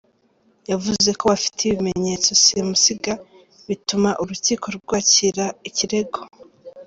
Yavuze ko bafite ibimenyetso simusiga bituma urukiko rwakira ikirego.